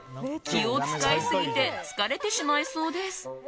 気を使いすぎて疲れてしまいそうです。